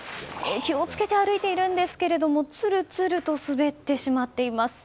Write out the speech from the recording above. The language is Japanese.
気を付けて歩いているんですけどつるつると滑ってしまっています。